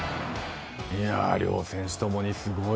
両選手ともにすごい。